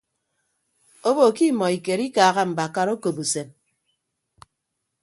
Obo ke imọ ikere ikaaha mbakara akop usem.